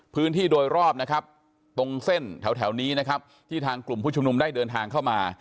พื้นที่โดยรอบนะครับตรงเส้นแถวนี้นะครับที่ทางกลุ่มผู้ชุมนุมได้เดินทางเข้ามา